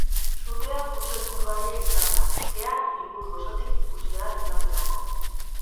Sutea oso ikusgarria izan da, kea hiriburu osotik ikusi ahal izan delako.